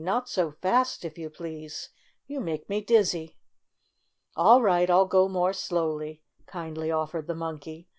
Not so fast, if you please ! You make me dizzy !" "All right ! I'll go more slowly," kind ly offered the Monkey.